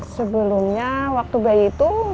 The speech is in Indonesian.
sebelumnya waktu bayi itu